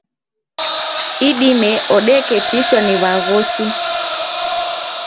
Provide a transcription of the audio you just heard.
Idime odeketishwa ni waghosi